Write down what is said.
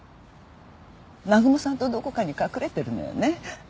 南雲さんとどこかに隠れてるのよね？